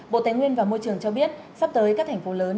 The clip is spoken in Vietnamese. bộ tài nguyên và môi trường cho biết